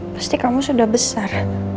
pasti kamu sudah besar